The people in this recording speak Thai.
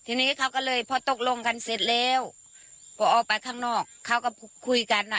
ทีนี้เขาก็เลยพอตกลงกันเสร็จแล้วพอออกไปข้างนอกเขาก็คุยกันอ่ะ